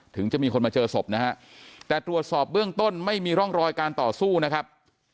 ถึงจะมีคนมาเจอศพนะฮะแต่ตรวจสอบเบื้องต้นไม่มีร่องรอยการต่อสู้นะครับ